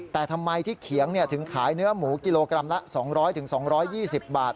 แต่ทำไมที่เขียงถึงขายเนื้อหมูกิโลกรัมละ๒๐๐๒๒๐บาท